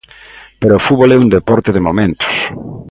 Pero o fútbol é un deporte de momentos.